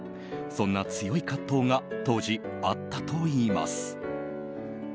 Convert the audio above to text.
そんな強い葛藤が当時あったといいます。